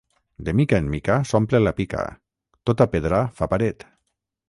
De mica en mica s’omple la pica: tota pedra fa paret.